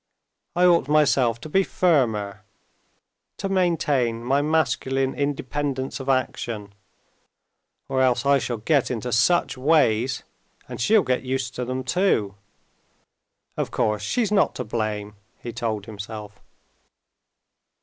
I ought myself to be firmer, to maintain my masculine independence of action; or else I shall get into such ways, and she'll get used to them too.... Of course she's not to blame," he told himself.